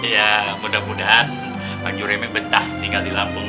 ya mudah mudahan pak juremi betah tinggal di lambung